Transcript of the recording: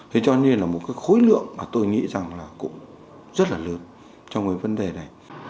thế cho nên là một cái khối lượng mà tôi nghĩ rằng là cũng rất là lớn trong cái vấn đề này